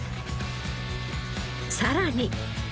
さらに。